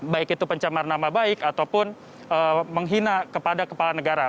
baik itu pencemar nama baik ataupun menghina kepada kepala negara